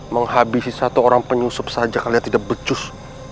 menghabisi satu orang penyusup saja kalian tidak becus